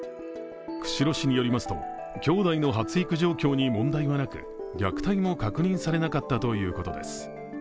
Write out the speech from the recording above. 釧路市によりますと、兄弟の発育状況に問題はなく、虐待も確認されなかったということです。